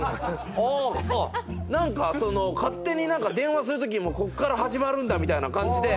何か勝手に電話するときもこっから始まるんだみたいな感じで。